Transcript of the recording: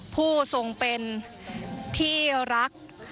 ผู้ทรงเป็นที่รัก